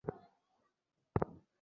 শুভ রাত্রি রাহুল শুভরাত্রি আঞ্জলি।